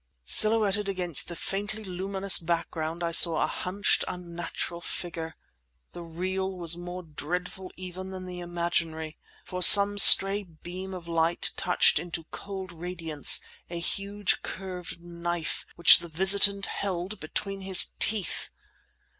Silhouetted against the faintly luminous background I saw a hunched, unnatural figure. The real was more dreadful even than the imaginary—for some stray beam of light touched into cold radiance a huge curved knife which the visitant held between his teeth!